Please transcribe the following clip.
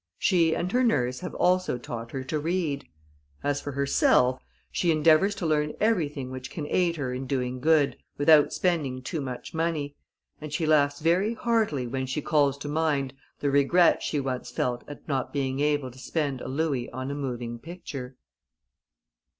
She and her nurse have also taught her to read. As for herself, she endeavours to learn everything which can aid her in doing good, without spending too much money, and she laughs very heartily when she calls to mind the regret she once felt at not being able to spend a louis on a moving picture.